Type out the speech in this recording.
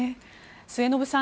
末延さん